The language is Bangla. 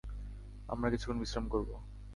আমরা কিছুক্ষণ বিশ্রাম করবো।